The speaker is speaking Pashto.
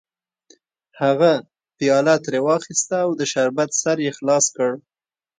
هغه پیاله ترې واخیسته او د شربت سر یې خلاص کړ